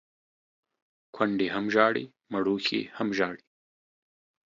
کونډي هم ژاړي ، مړوښې هم ژاړي.